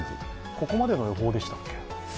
ここまでの予報でしたっけ？